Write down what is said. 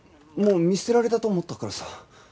もう見捨てられたと思ったからさ。